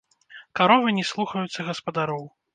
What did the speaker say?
Каровы не слухаюцца гаспадароў.